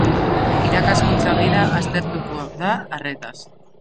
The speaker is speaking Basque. Irakaskuntza Gida aztertuko da arretaz.